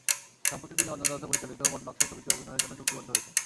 সম্প্রতি তিনি অঞ্জন দত্ত পরিচালিত মনবাকসো ছবিতে অভিনয়ের জন্য চুক্তিবদ্ধ হয়েছেন।